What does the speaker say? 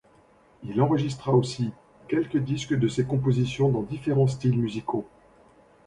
Il enregistra aussi quelques disques de ses compositions dans différents styles musicaux.